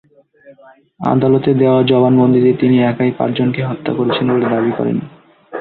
আদালতে দেওয়া জবানবন্দিতে তিনি একাই পাঁচজনকে হত্যা করেছেন বলে দাবি করেন।